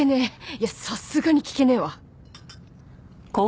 いやさすがに聞けねえわ！